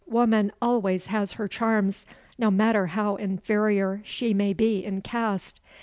Woman always has her charms, no matter how inferior she may be in caste.